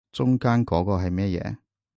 中間嗰個係乜嘢